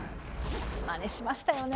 まねしましたよね。